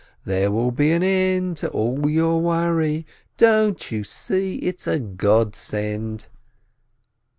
There will be an end to all your worry! Don't you 6ee, it's a godsend."